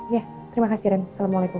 ya terima kasih ram assalamualaikum